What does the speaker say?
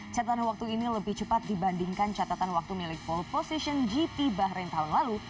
catatan waktu ini lebih cepat dibandingkan catatan waktu milik pole position gp bahrain tahun lalu